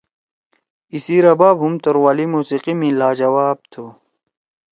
ایِسی رباب ہُم توروالی موسیقی می لاجواب تُھو۔